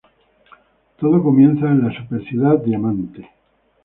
Todo comienza en la súper ciudad Diamante.